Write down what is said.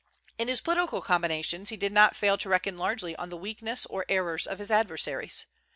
"In his political combinations he did not fail to reckon largely on the weakness or errors of his adversaries.